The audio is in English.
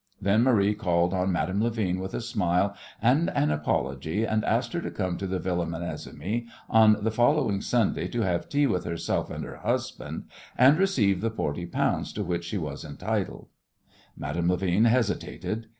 Then Marie called on Madame Levin with a smile and an apology, and asked her to come to the Villa Menesimy on the following Sunday to have tea with herself and her husband, and receive the forty pounds to which she was entitled. Madame Levin hesitated.